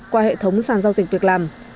qua hệ thống sàn giao dịch việc làm